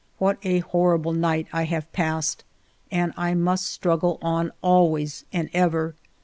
What a horrible night I have passed ! And I must struggle on always and ever.